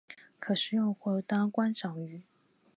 可食用或当观赏鱼。